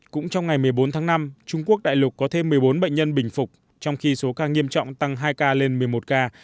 cũng trong ngày một mươi bốn tháng năm trung quốc đại lục có thêm một mươi bốn bệnh nhân bình phục trong khi số ca nghiêm trọng tăng hai ca lên một mươi một ca